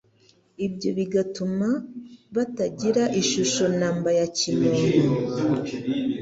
ibyo bigatuma batagira ishusho namba ya kimuntu,